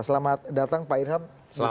selamat datang pak irham